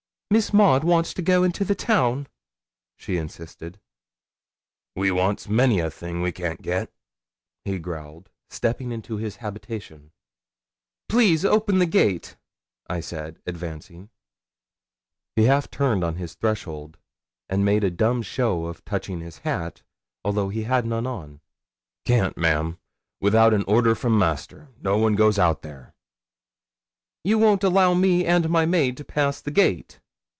'Miss Maud wants to go into the town,' she insisted. 'We wants many a thing we can't get,' he growled, stepping into his habitation. 'Please open the gate,' I said, advancing. He half turned on his threshold, and made a dumb show of touching his hat, although he had none on. 'Can't, ma'am; without an order from master, no one goes out here.' 'You won't allow me and my maid to pass the gate?'